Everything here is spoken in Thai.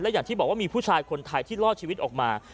อย่างที่บอกว่ามีผู้ชายคนไทยที่รอดชีวิตออกมา